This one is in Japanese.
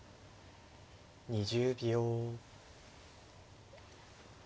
２０秒。